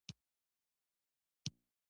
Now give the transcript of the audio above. د پاخه عمر څښتن زلمی وو.